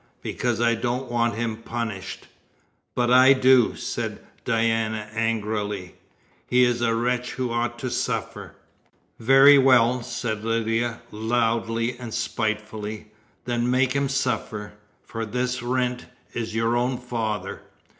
"Because I don't want him punished." "But I do," said Diana angrily. "He is a wretch who ought to suffer!" "Very well," said Lydia, loudly and spitefully, "then make him suffer, for this Wrent is your own father!